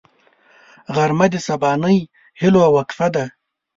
غرمه د سبانۍ هيلو وقفه ده